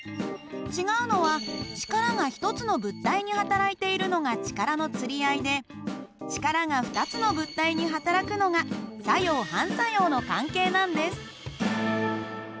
違うのは力が１つの物体にはたらいているのが力のつり合いで力が２つの物体にはたらくのが作用・反作用の関係なんです。